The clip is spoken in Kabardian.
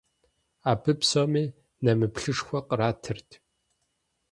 Абы псоми нэмыплъышхуэ къратырт.